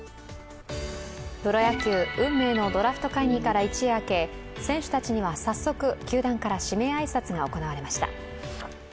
プロ野球・運命のドラフト会議から一夜明け、選手たちには早速球団から指名挨拶が行われました。